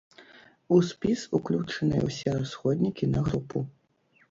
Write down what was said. У спіс уключаныя ўсе расходнікі на групу.